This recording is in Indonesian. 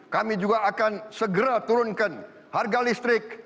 kami juga akan segera turunkan harga listrik